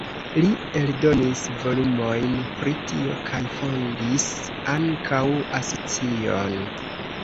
Li eldonis volumojn pri tio kaj fondis ankaŭ asocion.